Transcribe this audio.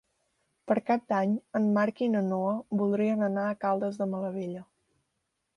Per Cap d'Any en Marc i na Noa voldrien anar a Caldes de Malavella.